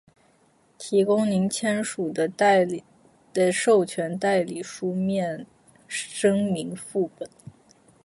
提供您签署的授权代理书面声明副本；